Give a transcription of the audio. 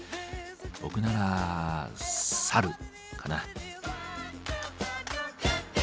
僕ならサルかな。